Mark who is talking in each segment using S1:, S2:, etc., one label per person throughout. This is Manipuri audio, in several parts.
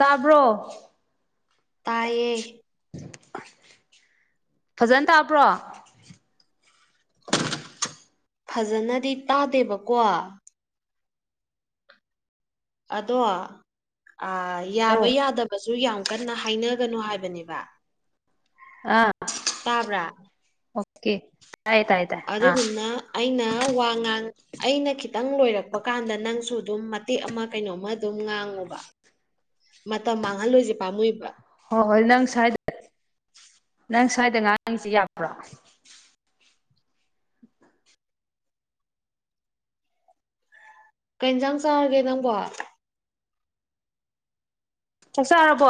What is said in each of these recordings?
S1: ꯇꯥꯕ꯭ꯔꯣ꯫
S2: ꯇꯥꯏꯌꯦ꯫
S1: ꯐꯖꯅ ꯇꯥꯕ꯭ꯔꯣ꯫
S2: ꯐꯖꯅꯗꯤ ꯇꯥꯗꯦꯕꯀꯣ꯫ ꯑꯗꯣ ꯌꯥꯕ ꯌꯥꯗꯕꯁꯨ ꯌꯥꯝ ꯀꯟꯅ ꯍꯥꯏꯅꯒꯅꯨ ꯍꯥꯏꯕꯅꯦꯕ꯫
S1: ꯑꯥ [unintelligible]
S2: ꯇꯥꯕ꯭ꯔꯥ꯫
S1: ꯑꯣꯀꯦ ꯇꯥꯏ ꯇꯥꯏ꯫ ꯑꯥ
S2: ꯑꯗꯨꯗꯨꯅ ꯑꯩꯅ ꯋꯥ ꯉꯥꯡ ꯑꯩꯅ ꯈꯤꯇꯪ ꯂꯣꯏꯔꯛꯄ ꯀꯥꯟꯗ ꯅꯪꯁꯨ ꯑꯗꯨꯝ ꯃ ꯇꯦꯛ ꯑꯃ ꯀꯩꯅꯣꯝꯃ ꯑꯗꯨꯝ ꯉꯥꯡꯉꯨꯕ ꯃꯇꯝ ꯃꯥꯡꯍꯜꯂꯣꯏꯁꯦ ꯄꯥꯝꯃꯨꯏꯕ꯫
S1: ꯍꯣ ꯍꯣꯏ ꯅꯪ ꯁ꯭ꯋꯥꯏꯗ ꯅꯪ ꯁ꯭ꯋꯥꯏꯗ ꯉꯥꯡꯁꯤ ꯌꯥꯕ꯭ꯔꯣ꯫
S2: ꯀꯩ ꯍꯤꯟꯖꯥꯡ ꯆꯥꯔꯒꯦ ꯅꯪꯕꯣ꯫
S1: ꯆꯛ ꯆꯥꯔꯕꯣ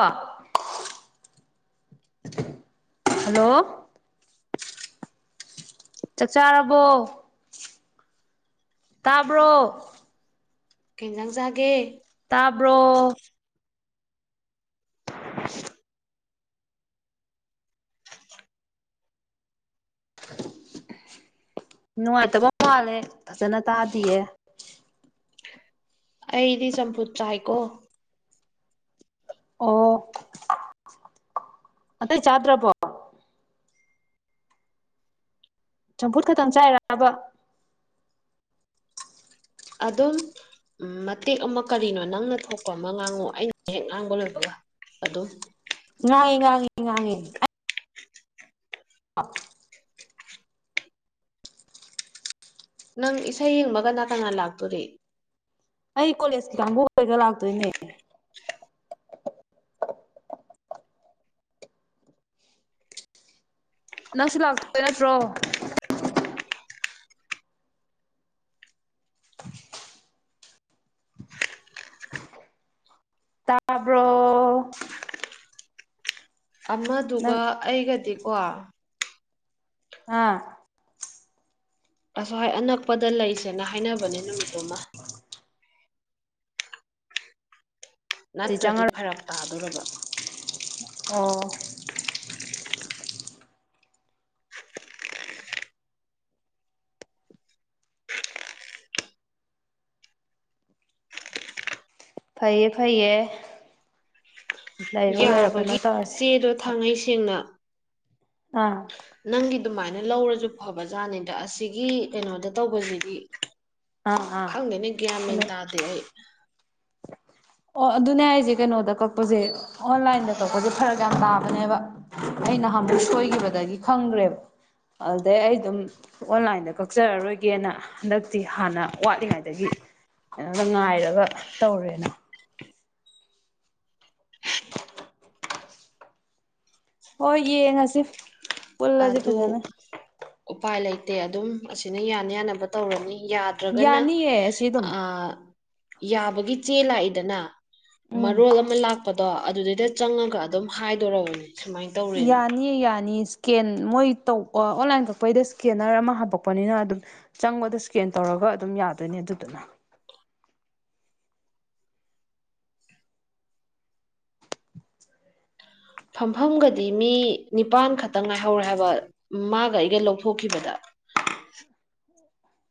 S1: ꯍꯜꯂꯣ꯫ ꯆꯛ ꯆꯥꯔꯕꯣ ꯇꯥꯕ꯭ꯔꯣ꯫
S2: ꯀꯩ ꯍꯤꯟꯖꯥꯡ ꯆꯥꯒꯦ꯫
S1: ꯇꯥꯕ꯭ꯔꯣ꯫
S2: [unintelligible]
S1: ꯅꯨꯡꯉꯥꯏꯇꯕ ꯃꯥꯜꯂꯦ ꯐꯖꯅ ꯇꯥꯗꯤꯌꯦ꯫
S2: ꯑꯩꯗꯤ ꯆꯝꯐꯨꯠ ꯆꯥꯏꯀꯣ꯫
S1: ꯑꯣ [unintelligible] ꯑꯇꯩ ꯆꯥꯗ꯭ꯔꯕꫭ꯫ ꯆꯝꯐꯨꯠ ꯈꯛꯇꯪ ꯆꯥꯏꯔꯥꯕ꯫
S2: ꯑꯗꯨꯝ꯫ ꯎꯝ ꯃꯇꯦꯛ ꯑꯃ ꯀꯔꯤꯅꯣ ꯅꯪꯅ ꯊꯣꯛꯄ ꯑꯃ ꯉꯥꯡꯉꯣ ꯑꯩꯅ ꯍꯦꯛ ꯉꯥꯡꯕ ꯂꯣꯏꯕꯒ ꯑꯗꯨꯝ꯫
S1: ꯉꯥꯡꯉꯦ ꯉꯥꯡꯉꯤ ꯉꯥꯡꯉꯤ꯫ [unintelligible]
S2: ꯅꯪ ꯏꯁꯩ ꯌꯦꯡꯕ ꯀꯅꯥ-ꯀꯅꯥ ꯂꯥꯛꯇꯣꯔꯤ꯫
S1: ꯑꯩ ꯀꯣꯂꯦꯖꯀ ꯀꯥꯡꯕꯨ ꯍꫭꯏꯒ ꯂꯥꯛꯇꯣꯏꯅꯦ꯫ ꯅꯪꯁꯨ ꯂꯥꯛꯇꯣꯏ ꯅꯠꯇ꯭ꯔꯣ꯫ [unintelligible] ꯇꯥꯕ꯭ꯔꯣ꯫
S2: ꯑꯃꯗꯨꯒ
S1: ꯅꯪ
S2: ꯑꯩꯒꯗꯤꯀꯣ
S1: ꯑꯥ꯫
S2: ꯑꯁꯥꯏ ꯑꯅꯛꯄꯗ ꯂꯩꯁꯦꯅ ꯍꯥꯏꯅꯕꯅꯦ ꯅꯨꯃꯤꯠꯇꯨꯃ꯫ ꯅꯠꯇ꯭ꯔꯗꯤ
S1: ꯆꯪꯉꯔꯣꯏ
S2: ꯐꯔꯛ ꯇꯥꯗꯣꯔꯕ꯫
S1: ꯑꫭ꯫ ꯐꯩꯌꯦ-ꯐꯩꯌꯦ ꯂꯩꯔꯣ-ꯂꯩꯔꯣ ꯀꯩꯅꯣ
S2: ꯌꯥꯕꯒꯤ
S1: ꯇꯧꯔꯁꯦ꯫
S2: ꯆꯦꯗꯣ ꯊꯥꯡꯉꯩ ꯁꯦꯡꯅ꯫
S1: ꯑꯥ꯫
S2: ꯅꯪꯒꯤ ꯑꯗꯨꯃꯥꯏꯅ ꯂꯧꯔꯁꯨ ꯐꯕꯖꯥꯠꯅꯤꯗ ꯑꯁꯤꯒꯤ ꯀꯩꯅꯣꯗ ꯇꯧꯕꯁꯤꯗꯤ
S1: ꯑꯥ ꯑꯥ
S2: ꯈꯪꯗꯦꯅꯦ ꯒ꯭ꯌꯥ ꯃꯦꯟ
S1: ꯀꯩꯅꯣ
S2: ꯇꯥꯗꯦ ꯑꯩ꯫
S1: [unintelligible] ꯑꯣ ꯑꯗꯨꯅꯦ ꯑꯩꯁꯦ ꯀꯩꯅꯣꯗ ꯀꯛꯄꯁꯦ ꯑꯣꯟꯂꯥꯏꯟꯗ ꯀꯛꯄꯁꯦ ꯐꯔꯛ ꯌꯥꯝ ꯇꯥꯕꯅꯦꯕ꯫ ꯑꯩ ꯅꯍꯃꯨꯛ ꯁꯣꯏꯈꯤꯕꯗꯒꯤ ꯈꯪꯗ꯭ꯔꯦꯕ꯫ ꯑꯗꯨꯗꯩ ꯑꯩ ꯑꯗꯨꯝ ꯑꯣꯟꯂꯥꯏꯟꯗ ꯀꯛꯆꯔꯔꯣꯏꯒꯦꯅ꯫ ꯍꯟꯗꯛꯇꯤ ꯍꯥꯟꯅ ꯋꯥꯠꯂꯤꯉꯩꯗꯒꯤ ꯀꯩꯅꯣꯗ ꯉꯥꯏꯔꯒ ꯇꯧꯔꯦꯅ꯫ ꯍꯣꯏ ꯌꯦꯡꯉꯁꯤ ꯄꯨꯜꯂꯁꯤ
S2: ꯑꯗꯨ
S1: ꯐꯖꯅ
S2: ꯎꯄꯥꯏ ꯂꯩꯇꯦ ꯑꯗꯨꯝ ꯑꯁꯤꯅ ꯌꯥꯅ ꯌꯥꯅꯕ ꯇꯧꯔꯅꯤꯗ ꯌꯥ ꯅꯠꯇ꯭ꯔꯒꯅ
S1: ꯌꯥꯅꯤꯌꯦ ꯁꯤ ꯑꯗꯨꯝ
S2: ꯑꯥ ꯌꯥꯕꯒꯤ ꯆꯦ ꯂꯥꯛꯏꯗꯅ
S1: ꯎꯝ
S2: ꯃꯔꯣꯜ ꯑꯃꯥ ꯂꯥꯛꯄꯗꯣ ꯑꯗꯨꯗꯩꯗ ꯆꯪꯉꯒ ꯑꯗꯨꯝ ꯍꯥꯏꯗꯣꯔꯕꯅꯦ ꯁꯨꯃꯥꯏꯅ ꯇꯧꯔꯦꯅ
S1: ꯌꯥꯅꯤꯌꯦ ꯌꯥꯅꯤꯌꯦ ꯏꯁꯀꯦꯟ ꯃꯣꯏ ꯇꯧ ꯑꯣꯟꯂꯥꯏꯟ ꯀꯛꯄꯩꯗ ꯏꯁꯀꯦꯟꯅꯔ ꯑꯃꯥ ꯍꯥꯞꯄꯛꯄꯅꯤꯅ ꯑꯗꯨꯝ ꯆꯪꯕꯗ ꯏꯁꯀꯦꯟ ꯇꯧꯔꯒ ꯑꯗꯨꯝ ꯌꯥꯗꯣꯏꯅꯦ ꯑꯗꯨꯗꯨꯅ
S2: ꯐꯝꯐꯝꯒꯗꯤ ꯃꯤ ꯅꯤꯄꯥꯟ ꯈꯛꯇꯪ ꯉꯥꯏꯍꯧꯔꯦ ꯍꯥꯏꯕ ꯃꯥꯒ ꯑꯩꯒ ꯂꯧꯊꯣꯛꯈꯤꯕꯗ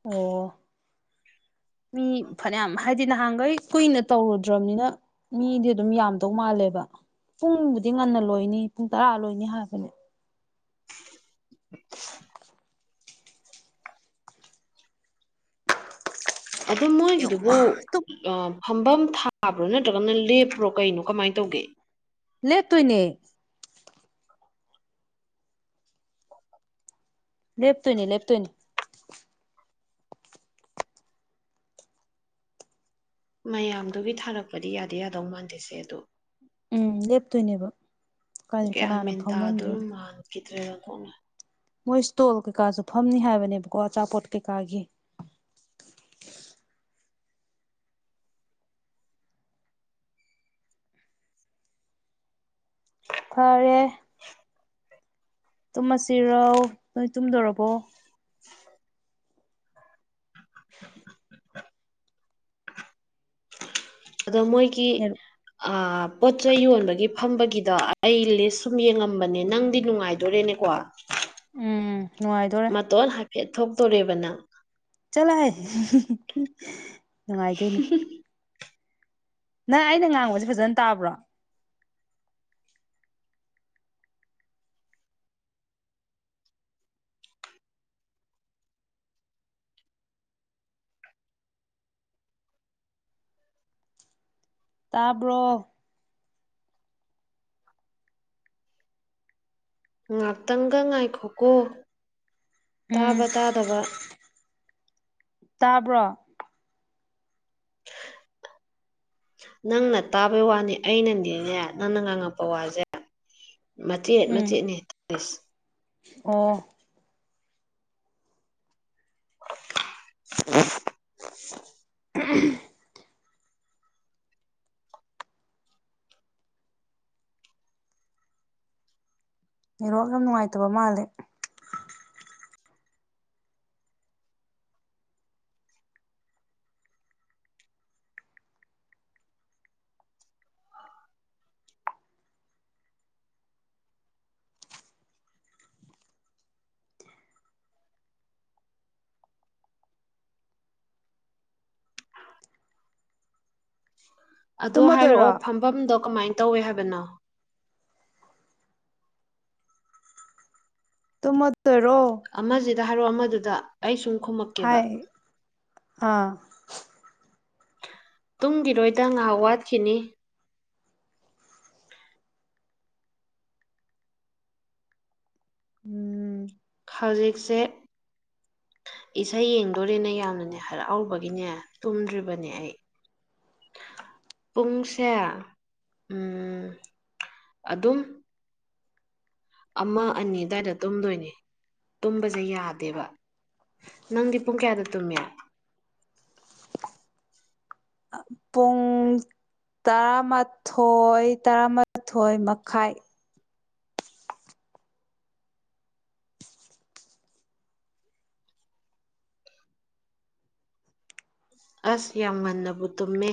S1: ꯑꯣ ꯃꯤ ꯐꯅꯌꯥꯝ ꯍꯥꯏꯗꯤ ꯅꯍꯥꯟꯈꯩ ꯀꯨꯏꯅ ꯇꯧꯔꯨꯗ꯭ꯔꯕꯅꯤꯅ ꯃꯤꯗꯤ ꯑꯗꯨꯝ ꯌꯥꯝꯗꯧ ꯃꯥꯜꯂꯦꯕ ꯄꯨꯡꯕꯨꯗꯤ ꯉꯟꯅ ꯂꯣꯏꯅꯤ ꯄꯨꯡ ꯇꯔꯥ ꯂꯣꯏꯅꯤ ꯍꯥꯏꯕꯅꯦ
S2: [unintelligible] ꯑꯗꯨꯝ ꯃꯣꯏꯒꯤꯗꯨꯕꯨ ꯑꯥ ꯐꯝꯝꯕ ꯊꯥꯕ꯭ꯔꯥ ꯅꯠꯇ꯭ꯔꯒꯅ ꯂꯦꯞꯄ꯭ꯔꯣ ꯀꯩꯅꯣ ꯀꯃꯥꯏꯅ ꯇꯧꯒꯦ
S1: ꯂꯦꯞꯇꯣꯏꯅꯦ ꯂꯦꯞꯇꫭꯏꯅꯤ ꯂꯦꯞꯇꫭꯏꯅꯤ
S2: ꯃꯌꯥꯝꯗꯨꯒꯤ ꯊꯥꯔꯛꯄꯗꯤ ꯌꯥꯗꯤ ꯌꯥꯗꯧ ꯃꯥꯟꯗꯦꯁꯦ ꯑꯗꯣ
S1: ꯎꯝ ꯂꯦꯞꯇꯣꯏꯅꯦꯕ ꯀꯔꯤ
S2: ꯒꯌ꯭ꯥꯟ
S1: ꯀꯅꯥꯅ
S2: ꯃꯦꯟ ꯇꯥꯗꯣꯏꯕ
S1: ꯐꯝꯍꯟꯗꯣꯏꯅꯣ
S2: ꯃꯥꯟꯈꯤꯗ꯭ꯔꯦ ꯑꯣꯟꯊꯣꯛꯅ
S1: ꯃꯣꯏ ꯏꯁ꯭ꯇꯣꯜ ꯀꯩꯀꯥꯁꯨ ꯐꯝꯅꯤ ꯍꯥꯏꯕꯅꯦꯕꯀꯣ ꯑꯆꯥꯄꯣꯠ ꯀꯩꯀꯥꯒꯤ
S2: [inaudible]
S1: ꯐꯔꯦ ꯇꯨꯝꯃꯁꯤꯔꯧ ꯅꯣꯏ ꯇꯨꯝꯗꯣꯔꯕꯣ
S2: [inaudible]
S1: [inaudible]
S2: ꯑꯗꯣ ꯃꯣꯏꯒꯤ
S1: ꯅꯦꯔꯨ
S2: ꯑꯥ ꯄꯣꯠꯆꯩ ꯌꯣꯟꯕꯒꯤ ꯐꯝꯕꯒꯤꯗ ꯑꯩ ꯂꯤꯁ ꯁꯨꯝ ꯌꯦꯡꯉꯝꯕꯅꯦ ꯅꯪꯗꯤ ꯅꯨꯡꯉꯥꯏ ꯍꫭꯔꯦꯟꯅꯦ ꯀꯣ
S1: ꯎꯝ ꯅꯨꯡꯉꯥꯏꯗꯣꯔꯦ
S2: ꯃꯇꯣꯟ ꯍꯥꯏꯐꯦꯠ ꯊꯣꯛꯇꯣꯔꯦꯕ ꯅꯪ
S1: ꯆꯠꯂꯥꯍꯦ [unintelligible] ꯅꯨꯡꯉꯥꯏꯗꯣꯏꯅꯦ ꯅꯪ ꯑꯩꯅ ꯉꯥꯡꯕꯁꯦ ꯐꯖꯅ ꯇꯥꯕ꯭ꯔꯣ ꯇꯥꯕ꯭ꯔꯣ
S2: ꯉꯥꯛꯇꯪꯒ ꯉꯥꯏꯈꯣꯀꯣ
S1: ꯎꯝ
S2: ꯇꯥꯕ ꯇꯥꯗꯕ
S1: ꯇꯥꯕ꯭ꯔꯣ [inaudible]
S2: ꯅꯪꯅ ꯇꯥꯕꯩ ꯋꯥꯅꯤ ꯑꯩꯅꯗꯤꯅꯦ ꯅꯪꯅ ꯉꯥꯡꯉꯛꯄ ꯋꯥꯁꯦ ꯃꯆꯦꯠ
S1: ꯎꯝ
S2: ꯃꯆꯦꯠꯅ‌ꯦ [unintelligible]
S1: ꯑꯣ
S2: [unintelligible] [inaudible]
S1: ꯎꯍꯨꯝ [unintelligible] ꯅꯦꯠꯋꯥꯔꯛ ꯌꯥꯝ ꯅꯨꯡꯉꯥꯏꯇꯕ ꯃꯥꯜꯂꯦ
S2: ꯑꯗꯣ ꯍꯥꯏꯔꯛꯑꯣ
S1: ꯇꯨꯝꯃꯗꯣꯏꯔꯣ
S2: ꯐꯝꯕꯝꯗꯣ ꯀꯃꯥꯏꯟ ꯇꯧꯋꯦ ꯍꯥꯏꯕꯅꯣ
S1: ꯇꯨꯝꯃꯗꯣꯏꯔꯣ
S2: ꯑꯃꯖꯤꯗꯥ ꯍꯥꯏꯔꯣ ꯑꯃꯗꯨꯗ ꯑꯩ ꯁꯨꯝ ꯈꯨꯝꯃꯛꯀꯦꯕ
S1: ꯍꯥꯏ ꯑꯥ
S2: ꯇꯨꯝꯒꯤꯔꯣꯏꯗ ꯉꯥꯏꯍꯥꯛ ꯋꯥꯠꯈꯤꯅꯤ
S1: ꯎꯝ
S2: ꯍꯧꯖꯤꯛꯁꯦ ꯏꯁꯩ ꯌꯦꯡꯗꯣꯔꯦꯅ ꯌꯥꯝꯅꯅꯦ ꯍꯔꯥꯎꯕꯒꯤꯅꯦ ꯇꯨꯝꯗ꯭ꯔꯤꯕꯅꯦ ꯑꯩ
S1: [inaudible]
S2: ꯄꯨꯡꯁꯦ ꯎꯝ ꯑꯗꯨꯝ ꯑꯃ ꯑꯅꯤ ꯑꯗꯥꯏꯗ ꯇꯨꯝꯗꯣꯏꯅꯦ ꯇꯨꯝꯕꯖꯦ ꯌꯥꯗꯦꯕ ꯅꯪꯗꯤ ꯄꯨꯡ ꯀꯌꯥꯗ ꯇꯨꯝꯃꯤ
S1: ꯑꯥ ꯄꯨꯡ ꯇꯔꯥꯃꯊꯣꯏ ꯇꯔꯥꯃꯊꯣꯏ ꯃꯈꯥꯏ
S2: ꯑꯁ ꯌꯥꯝ ꯉꯟꯅꯕꯨ ꯇꯨꯝꯃꯦ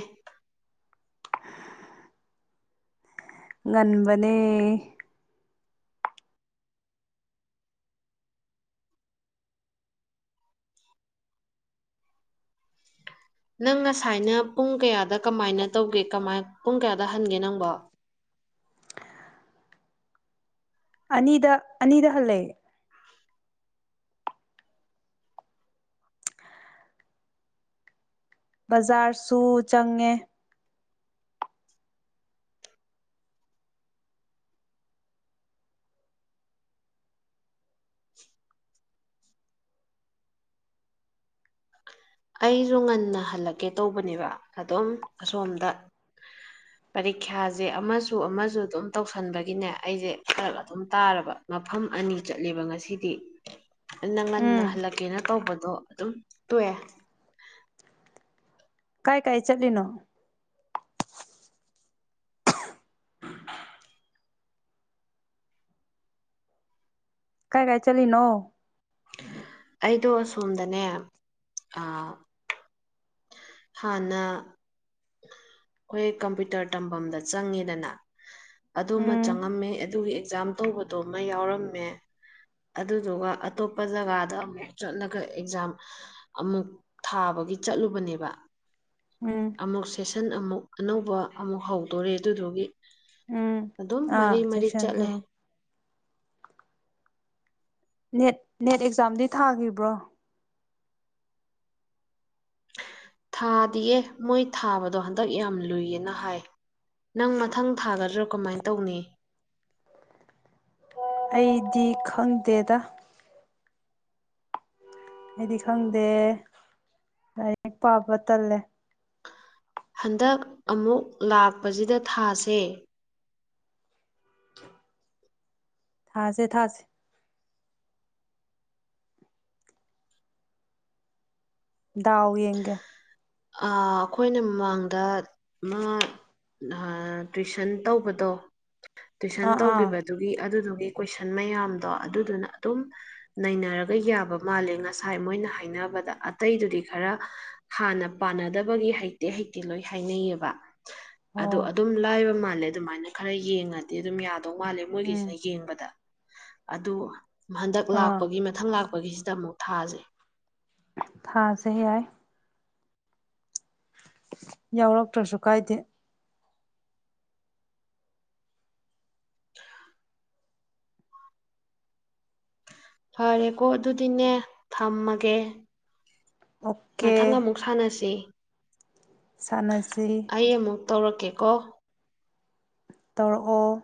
S1: ꯉꯟꯕꯅꯦ
S2: ꯅꯪ ꯉꯁꯥꯏꯅ ꯄꯨꯡ ꯀꯌꯥꯗ ꯀꯃꯥꯏꯅ ꯇꯧꯒꯦ ꯀꯃꯥꯏ ꯄꯨꯡ ꯀꯌꯥꯗ ꯍꯟꯒꯦ ꯅꯪꯕꯣ
S1: ꯑꯅꯤꯗ ꯑꯅꯤꯗ ꯍꯜꯂꯦ ꯕꯖꯥꯔꯁꯨ ꯆꯪꯉꯦ
S2: ꯑꯩꯖꯨ ꯉꯟꯅ ꯍꯜꯂꯛꯀꯦ ꯇꯧꯕꯅꯦꯕ ꯑꯗꯨꯝ ꯑꯁꯣꯝꯗꯥ
S1: [inaudible]
S2: ꯄꯔꯤꯈ꯭ꯌꯥꯖꯦ ꯑꯃꯁꯨ ꯑꯃꯖꯨ ꯑꯗꯨꯝ ꯇꯧꯁꯟꯕꯒꯤꯅꯦ ꯑꯩꯖꯦ ꯐꯔꯛ ꯑꯗꯨꯝ ꯇꯥꯔꯕ ꯃꯐꯝ ꯑꯅꯤ ꯆꯠꯂꯦꯕ ꯉꯁꯤꯗꯤ ꯅꯪ ꯉꯟꯅ
S1: ꯎꯝ
S2: ꯍꯜꯂꯛꯀꯦꯅ ꯇꯧꯕꯗꯣ ꯑꯗꯨꯝ ꯇꯣꯛꯑꯦ
S1: ꯀꯥꯏ ꯀꯥꯏ ꯆꯠꯂꯤꯅꯣ ꯀꯥꯏ ꯀꯥꯏ ꯆꯂꯤꯅꯣ
S2: ꯑꯩꯗꯣ ꯑꯁꯣꯝꯗꯅꯦ ꯑꯥ ꯍꯥꯟꯅ ꯈꯣꯏ ꯀꯝꯄꯤꯇꯔ ꯇꯝꯕꯝꯗ ꯆꯪꯉꯦꯗꯅ ꯑꯗꯨꯃꯥ
S1: ꯎꯝ
S2: ꯆꯪꯉꯝꯃꯦ ꯑꯗꯨꯒꯤ ꯑꯦꯛꯖꯥꯝ ꯇꯧꯕꯗꯣꯃꯥ ꯌꯥꯎꯔꯝꯃꯦ ꯑꯗꯨꯗꯨꯒꯥ ꯑꯇꯣꯞꯄ ꯖꯒꯥꯗ ꯑꯃꯨꯛ ꯆꯠꯂꯒꯥ ꯑꯦꯛꯖꯥꯝ ꯑꯃꯨꯛ ꯊꯥꯕꯒꯤ ꯆꯠꯂꯨꯕꯅꯦꯕ
S1: ꯎꯝ
S2: ꯑꯃꯨꯛ ꯁꯦꯁꯟ ꯑꯃꯨꯛ ꯑꯅꯧꯕ ꯑꯃꯨꯛ ꯍꯧꯗꯣꯔꯦ ꯑꯗꯨꯗꯨꯒꯤ
S1: ꯎꯝ
S2: ꯑꯗꯨꯝ
S1: ꯑꯥ
S2: ꯃꯔꯤ ꯃꯔꯤ
S1: ꯁꯦꯛꯁꯟ
S2: ꯆꯠꯂꯦ
S1: ꯑꯥ ꯅꯦꯠ ꯅꯦꯠ ꯑꯦꯛꯖꯥꯝꯗꯤ ꯊꯥꯒꯤꯕ꯭ꯔꯣ
S2: ꯊꯥꯗꯤꯌꯦ ꯃꯣꯏ ꯊꯥꯕꯗꯣ ꯍꯟꯗꯛ ꯌꯥꯝ ꯂꯨꯏ ꯑꯥꯅ ꯍꯥꯏ ꯅꯪ ꯃꯊꯪ ꯊꯥꯒꯗ꯭ꯔꯣ ꯀꯃꯥꯏꯟ ꯇꯧꯅꯤ
S1: ꯑꯩꯗꯤ ꯈꯪꯗꯦꯗꯥ ꯑꯩꯗꯤ ꯈꯪꯗꯦ ꯂꯥꯏꯔꯤꯛ ꯄꯥꯕ ꯇꯜꯂꯦ
S2: ꯍꯟꯗꯛ ꯑꯃꯨꯛ ꯂꯥꯛꯄꯖꯤꯗꯥ ꯊꯥꯁꯦ
S1: ꯊꯥꯁꯦ ꯊꯥꯁꯦ ꯗꯥꯎ ꯌꯦꯡꯒꯦ
S2: ꯑꯥ ꯑꯈꯣꯏꯅ ꯃꯃꯥꯡꯗ [unintelligible] ꯅꯍꯥ ꯇꯨꯏꯁꯟ ꯇꯧꯕꯗꯣ ꯇꯨꯏꯁꯟ
S1: ꯑꯥ ꯑꯥ
S2: ꯇꯧꯒꯤꯕ ꯗꯨꯒꯤ ꯑꯗꯨꯗꯨꯒꯤ ꯀꯣꯏꯁꯟ ꯃꯌꯥꯝꯗꯣ ꯑꯗꯨꯗꯨꯅ ꯑꯗꯨꯝ ꯅꯩꯅꯔꯒ ꯌꯥꯕ ꯃꯥꯜꯂꯦ ꯉꯁꯥꯏ ꯃꯣꯏꯅ ꯍꯥꯏꯅꯕꯗ ꯑꯇꯩꯗꯨꯗꯤ ꯈꯔ ꯍꯥꯥꯟꯅ ꯄꯥꯟꯅꯗꯕꯒꯤ ꯍꯩꯇꯦ ꯍꯩꯇꯦ ꯂꯣꯏ ꯍꯥꯏꯅꯩꯌꯦꯕ
S1: ꯑꯣ
S2: ꯑꯗꯣ ꯑꯗꯨꯝ ꯂꯥꯏꯕ ꯃꯥꯜꯂꯦ ꯑꯗꯨꯃꯥꯏꯅ ꯈꯔ ꯌꯦꯡꯉꯗꯤ ꯑꯗꯨꯝ ꯌꯥꯗꯧ ꯃꯥꯜꯂꯦ
S1: ꯎꯝ
S2: ꯃꯣꯏꯒꯤꯁꯤꯅ ꯌꯦꯡꯕꯗ ꯑꯗꯨ ꯍꯟꯗꯛ
S1: ꯑꯥ
S2: ꯂꯥꯛꯄꯒꯤ ꯃꯊꯪ ꯂꯥꯛꯄꯒꯤꯁꯤꯗ ꯑꯃꯨꯛ ꯊꯥꯥꯁꯦ
S1: ꯊꯥꯁꯦ ꯌꯥꯏ ꯌꯥꯎꯔꯛꯇ꯭ꯔꯁꯨ ꯀꯥꯏꯗꯦ
S2: ꯐꯔꯦꯀꯣ ꯑꯗꯨꯗꯤꯅꯦ ꯊꯝꯃꯒꯦ
S1: ꯑꯣꯀꯦ
S2: ꯃꯊꯪ ꯑꯃꯨꯛ ꯁꯥꯟꯅꯁꯤ
S1: ꯁꯥꯟꯅꯁꯤ
S2: ꯑꯩ ꯑꯃꯨꯛ ꯇꯧꯔꯛꯀꯦꯀꯣ
S1: ꯇꯧꯔꯛꯑꯣ